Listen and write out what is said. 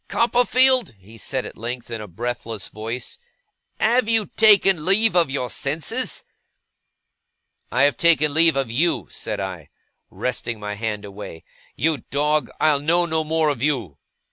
'Copperfield,' he said at length, in a breathless voice, 'have you taken leave of your senses?' 'I have taken leave of you,' said I, wresting my hand away. 'You dog, I'll know no more of you.